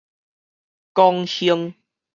廣興